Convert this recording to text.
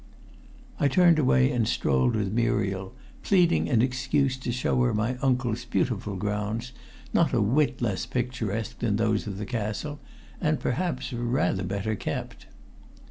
I turned away and strolled with Muriel, pleading an excuse to show her my uncle's beautiful grounds, not a whit less picturesque than those of the castle, and perhaps rather better kept.